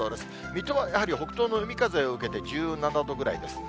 水戸はやはり北東の海風を受けて１７度ぐらいですね。